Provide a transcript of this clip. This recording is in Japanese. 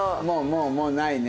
もうもうないね。